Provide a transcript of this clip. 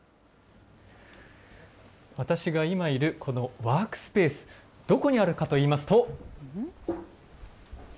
私が今いるこのワークスペース、どこにあるかといいますと。